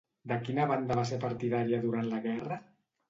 De quina banda va ser partidària durant la Guerra?